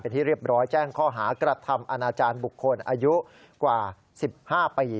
ที่เรียบร้อยแจ้งข้อหากระทำอาณาจารย์บุคคลอายุกว่า๑๕ปี